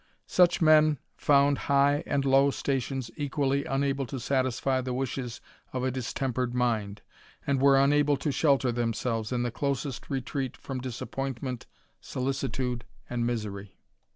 Such men found high and low stations equally unable to satisfy the wishes of a distempered mind, and were unable to shelter themselves in the closest retreat from disappointment, solicitude, and misery.